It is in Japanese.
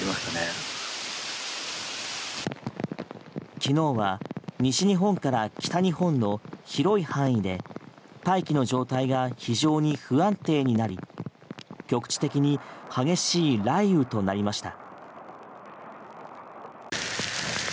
昨日は西日本から北日本の広い範囲で大気の状態が非常に不安定になり局地的に激しい雷雨となりました。